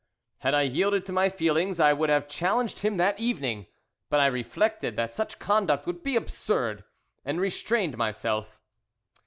"Had I yielded to my feelings I would have challenged him that evening, but I reflected that such conduct would be absurd, and restrained myself.